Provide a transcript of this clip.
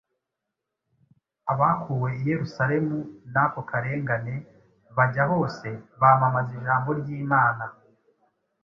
Abakuwe i Yerusalemu n’ako karengane “bajya hose, bamamaza ijambo ry’Imana